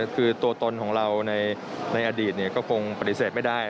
คือตัวตนของเราในอดีตก็คงปฏิเสธไม่ได้